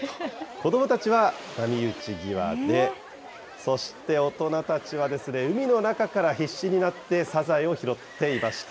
子どもたちは波打ち際で、そして大人たちはですね、海の中から必死になって、サザエを拾っていました。